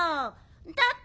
だって